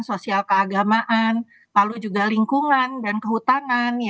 sosial keagamaan lalu juga lingkungan dan kehutanan